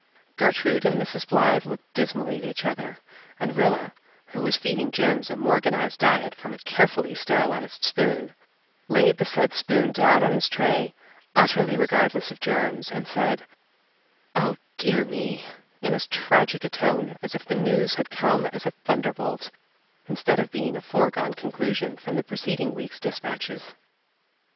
Gertrude and Mrs. Blythe looked dismally at each other, and Rilla, who was feeding Jims a Morganized diet from a carefully sterilized spoon, laid the said spoon down on his tray, utterly regardless of germs, and said, "Oh, dear me," in as tragic a tone as if the news had come as a thunderbolt instead of being a foregone conclusion from the preceding week's dispatches.